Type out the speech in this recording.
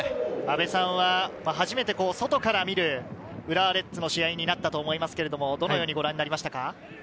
阿部さんは初めて外から見る浦和レッズの試合なったと思いますけれど、どのようにご覧になりましたか？